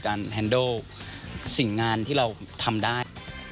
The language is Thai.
แฮนโดสิ่งงานที่เราทำได้